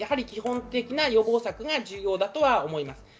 基本的な予防策が重要だと思います。